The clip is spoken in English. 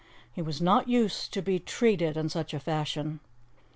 He was not used to be treated in such a fashion.